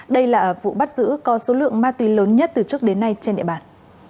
đây là vụ bắt giữ có số lượng ma túy lớn nhất từ trước đến nay trên địa bàn